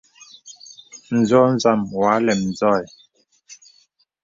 N̄zɔ̄ zam wɔ à lɛm zɔ̄ ɛ.